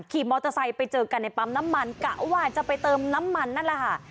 ขี่มอเตอร์ไซค์ไปเจอกันในปั๊มน้ำมันกะว่าจะไปเติมน้ำมันนั่นแหละค่ะ